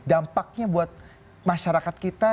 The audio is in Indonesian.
dampaknya buat masyarakat kita